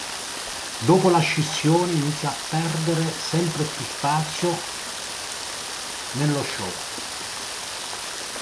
Dopo la scissione, inizia a perdere sempre più spazio nello show.